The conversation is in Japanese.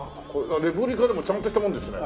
レプリカでもちゃんとしたもんですね。